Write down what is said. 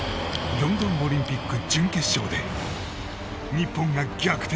ロンドンオリンピック準決勝で日本が逆転